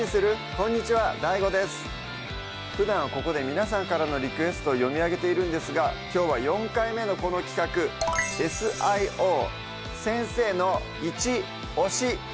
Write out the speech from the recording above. こんにちはＤＡＩＧＯですふだんはここで皆さんからのリクエストを読み上げているんですがきょうは４回目のこの企画「Ｓ・Ｉ・Ｏ先生のイチオシ！」